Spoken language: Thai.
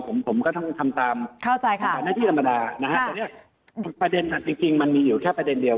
ผมก็ต้องทำตามประสานที่ธรรมดานะครับแต่เนี่ยประเด็นจริงมันมีอยู่แค่ประเด็นเดียว